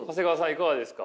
いかがですか？